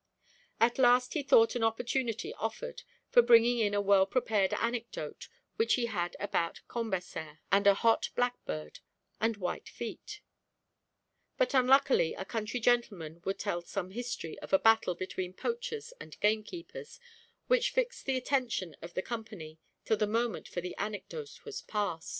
At last he thought an opportunity offered for bringing in a well prepared anecdote which he had about Cambaçeres, and a hot blackbird and white feet, but unluckily a country gentleman would tell some history of a battle between poachers and gamekeepers, which fixed the attention of the company till the moment for the anecdote was past.